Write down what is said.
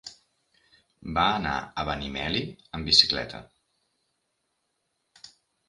Va anar a Benimeli amb bicicleta.